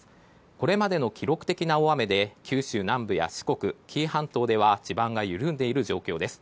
これまでの記録的な大雨で九州南部や四国、紀伊半島では地盤が緩んでいる状況です。